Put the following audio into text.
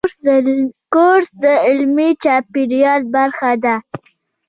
کورس د علمي چاپېریال برخه ده.